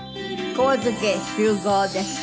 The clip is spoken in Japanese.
神津家集合です。